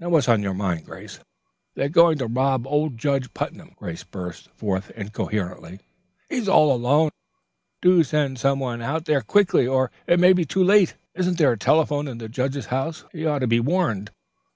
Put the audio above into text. Now what's on your mind, Grace?" "They're going to rob old Judge Putnam," Grace burst forth incoherently. "He's all alone. Oh, do send some one out there quickly, or it may be too late. Isn't there a telephone in the judge's house? He ought to be warned."